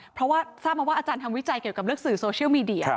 เพราะว่าทราบมาว่าอาจารย์ทำวิจัยเกี่ยวกับเรื่องสื่อโซเชียลมีเดีย